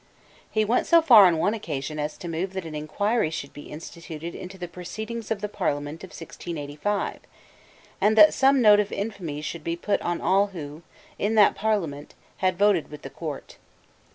He went so far on one occasion as to move that an inquiry should be instituted into the proceedings of the Parliament of 1685, and that some note of infamy should be put on all who, in that Parliament, had voted with the Court.